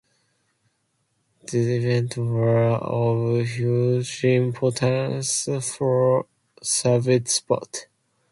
These events were of huge importance for Soviet sports.